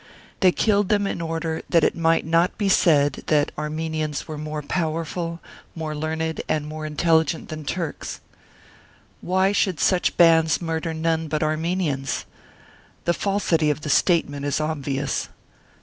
They killed them in order that it might not be said that Armenians were more powerful, more learned, and more intelligent than Turks. Why should such bands murder none but Armenians ?. The falsity of the statement is obvious.